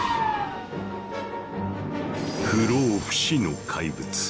不老不死の怪物。